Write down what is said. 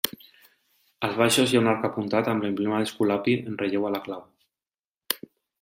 Als baixos hi ha un arc apuntat amb l'emblema d'Esculapi en relleu a la clau.